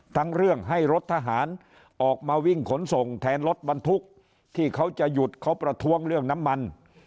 ทั้งเรื่องให้รถทหารออกมาวิ่งขนส่งแทนรถบรรทุกที่เขาจะหยุดเขาประท้วงเรื่องน้ำมัน